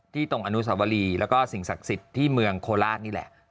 ตรงอนุสาวรีแล้วก็สิ่งศักดิ์สิทธิ์ที่เมืองโคราชนี่แหละ